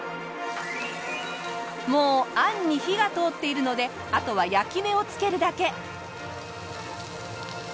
もう餡に火が通っているのであとは焼き目をつけるだけ。